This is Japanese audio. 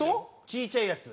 ちいちゃいやつ。